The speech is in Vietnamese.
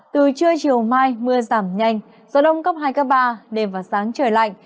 từ trưa chiều mai mưa giảm nhanh gió đông cấp hai cấp ba đêm và sáng trời lạnh